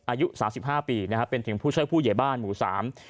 อายุ๓๕ปีเป็นถึงผู้ช่วยผู้เยบ้านหมู่สาม